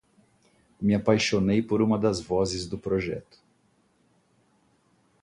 Me apaixonei por uma das vozes do projeto